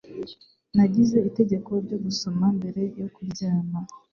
Nagize itegeko ryo gusoma mbere yo kuryama.